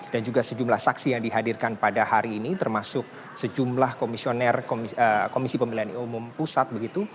dan juga sejumlah saksi yang dihadirkan pada hari ini termasuk sejumlah komisioner komisi pemilihan umum pusat begitu